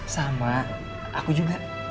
sama aku juga